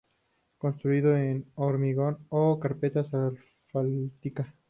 Construidas en hormigón o con carpeta asfáltica.